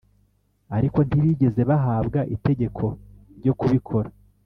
ariko ntibigeze bahabwa itegeko ryo kubikora